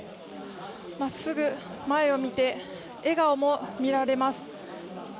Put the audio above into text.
まっすぐ前を見て、笑顔も見られます。